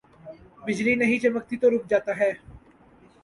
بجلی نہیں چمکتی تو رک جاتا ہے۔